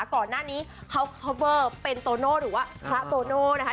ก่อนหน้านี้เขาคอเวอร์เป็นโตโน่หรือว่าพระโตโน่นะคะ